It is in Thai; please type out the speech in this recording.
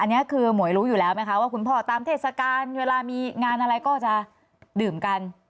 อันนี้คือหมวยรู้อยู่แล้วไหมคะว่าคุณพ่อตามเทศกาลเวลามีงานอะไรก็จะดื่มกัน